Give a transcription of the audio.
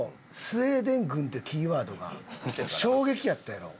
「スウェーデン軍」ってキーワードが衝撃やったやろ？